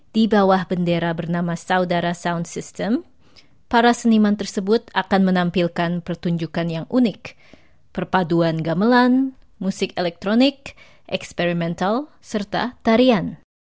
di bawah bendera bernama saudara sound system para seniman tersebut akan menampilkan pertunjukan yang unik perpaduan gamelan musik elektronik eksperimental serta tarian